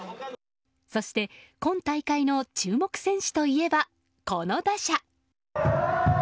そして今大会の注目選手といえばこの打者。